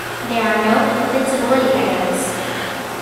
There are no invincibility items.